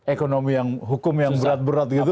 ekonomi yang hukum yang berat berat gitu